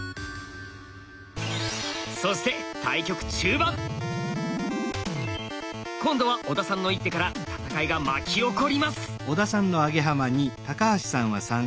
そして今度は小田さんの一手から戦いが巻き起こります。